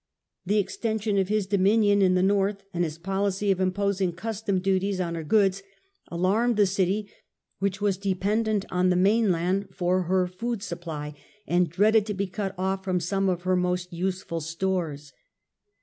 The extension of his dominion in 1329 the North and his policy of imposing custom duties on her goods, alarmed the city, which was dependent on the mainland for her food supply, and dreaded to be cut off from some of her most useful stores.